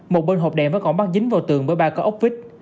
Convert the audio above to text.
một bên hộp đèn vẫn còn bắt dính vào tường với ba có ốc vít